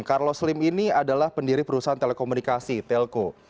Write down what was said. carlos slim ini adalah pendiri perusahaan telekomunikasi telco